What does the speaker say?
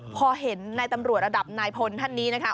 พอเห็นนายตำรวจระดับนายพลท่านนี้นะคะ